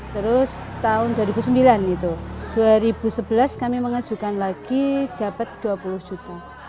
terus tahun dua ribu sembilan itu dua ribu sebelas kami mengajukan lagi dapat dua puluh juta